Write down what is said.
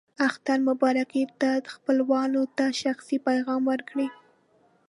اختر مبارکي ته خپلوانو ته شخصي پیغام ورکړئ.